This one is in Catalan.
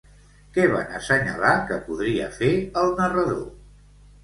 Què van assenyalar que podria fer, el narrador?